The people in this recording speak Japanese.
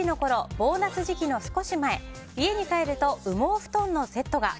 ボーナス時期の少し前家に帰ると羽毛布団のセットが。